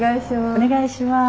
お願いします。